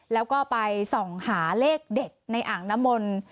แล้วก็ไปส่องหาเลขเด็ดในอ่างน้ำมนต์